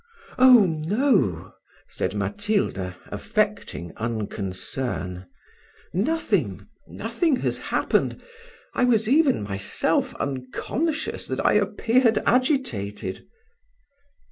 "Oh no," said Matilda, affecting unconcern; "nothing nothing has happened. I was even myself unconscious that I appeared agitated."